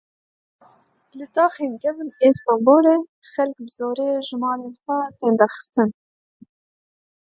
Li taxên kevin ên Stenbolê xelk bi zorê ji malên xwe tên derxistin.